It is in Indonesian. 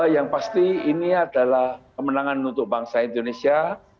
yang pasti ini adalah kemenangan untuk bangsa indonesia